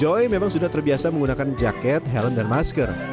joy memang sudah terbiasa menggunakan jaket helm dan masker